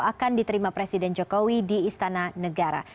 akan diterima presiden jokowi di istana negara